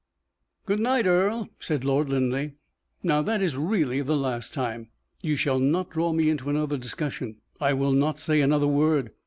"Good night, Earle," said Lord Linleigh; "now that is really the last time. You shall not draw me into another discussion. I will not say another word.